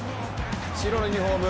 白のユニフォーム